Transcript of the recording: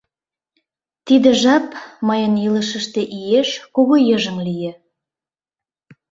Тиде жап мыйын илышыште иеш кугу йыжыҥ лие.